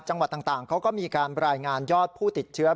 จังหวัดต่างเขาก็มีการรายงานยอดผู้ติดเชื้อ